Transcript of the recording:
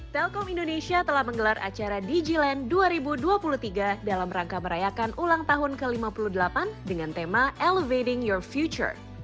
telkom indonesia telah menggelar acara di gland dua ribu dua puluh tiga dalam rangka merayakan ulang tahun ke lima puluh delapan dengan tema elevating your future